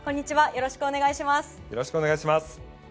よろしくお願いします。